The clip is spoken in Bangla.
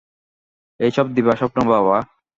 এসব দিবাস্বপ্ন, বাবা।